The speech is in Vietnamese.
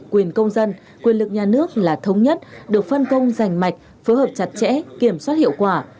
quyền công dân quyền lực nhà nước là thống nhất được phân công rành mạch phối hợp chặt chẽ kiểm soát hiệu quả